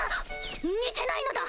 寝てないのだ！